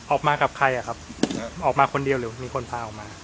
ออกมากับใครอ่ะครับออกมาคนเดียวหรือมีคนพาออกมา